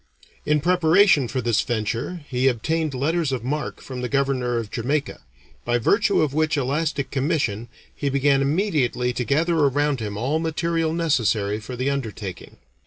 In preparation for this venture he obtained letters of marque from the governor of Jamaica, by virtue of which elastic commission he began immediately to gather around him all material necessary for the undertaking.